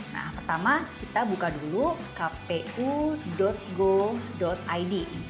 nah pertama kita buka dulu kpu go id